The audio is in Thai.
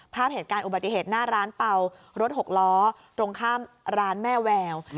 ภาพเหตุการณ์อุบัติเหตุหน้าร้านเป่ารถหกล้อตรงข้ามร้านแม่แวว